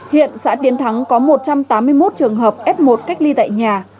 hiện xã tiến thắng có một trăm tám mươi một trường hợp f một cách ly tại nhà